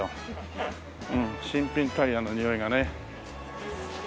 うん新品タイヤのにおいがね。